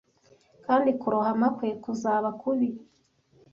kandi kurohama kwe kuzaba kubi